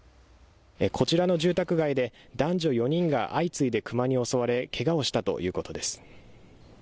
こちらの住宅街で男女４人が相次いでクマに襲われけがをしたということです。